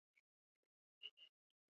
杨贤为台湾明郑时期中末期的文臣。